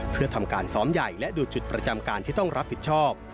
เพื่อทำการซ้อมใหญ่และดูจุดประจำการที่ต้องรับผิดชอบ